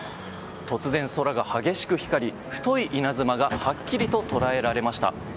突然、空が激しく光り太い稲妻がはっきりと捉えられました。